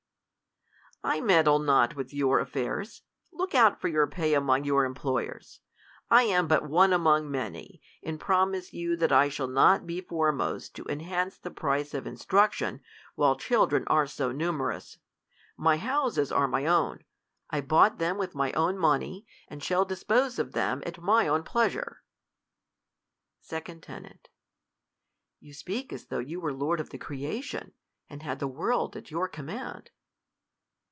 I meddle not with your affairs. Look out for your pay among your employers. I am but one* among many, and promise you that I shall not be fore most to enhance the price of instruction, while childrervj are so numerous. My houses are my own*. I boughtj them. THE COLUMBIAN ORATOR. »3 : them with my own money ; and shall dispose of them at my own pleasure. 2f/. Ten. You speak as though you were lord of the creation, and had the world at ycur command.